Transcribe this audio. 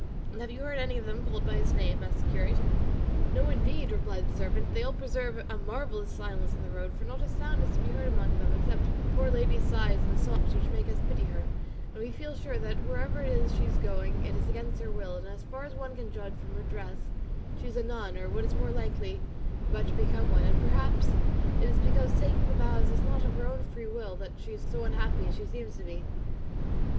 "And have you heard any of them called by his name?" asked the curate. "No, indeed," replied the servant; "they all preserve a marvellous silence on the road, for not a sound is to be heard among them except the poor lady's sighs and sobs, which make us pity her; and we feel sure that wherever it is she is going, it is against her will, and as far as one can judge from her dress she is a nun or, what is more likely, about to become one; and perhaps it is because taking the vows is not of her own free will, that she is so unhappy as she seems to be."